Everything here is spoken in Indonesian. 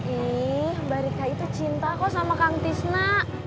ih barika itu cinta kok sama kang tisna